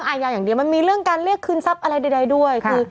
อาญาอย่างเดียวมันมีเรื่องการเรียกคืนทรัพย์อะไรใดด้วยคือ